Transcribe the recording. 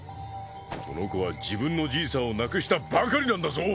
この子は自分のじいさんを亡くしたばかりなんだぞ！